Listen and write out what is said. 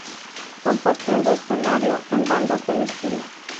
Compartiendo escenario con bandas del estilo.